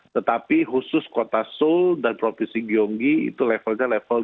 tetapi khusus kota seoul dan provinsi gyeonggi itu levelnya level tiga